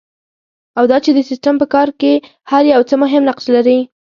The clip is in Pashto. او دا چې د سیسټم په کار کې هر یو څه مهم نقش لري.